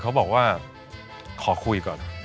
เขาบอกว่าขอคุยก่อน